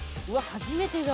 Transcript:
初めてだ！